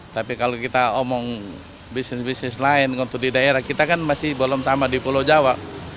tapi kalau kita omong bisnis bisnis lain untuk di daerah kita kan masih belum sama di pulau jawa